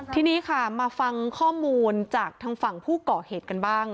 ทีนี้ค่ะมาฟังข้อมูลจากทางฝั่งผู้ก่อเหตุกันบ้าง